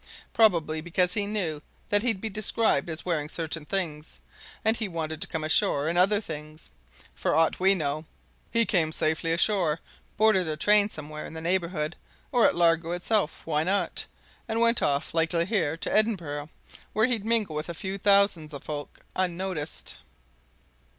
Probably because he knew that he'd be described as wearing certain things, and he wanted to come ashore in other things. For aught we know, he came safely ashore, boarded a train somewhere in the neighbourhood, or at Largo itself why not? and went off, likely here, to Edinburgh where he'd mingle with a few thousand of folk, unnoticed."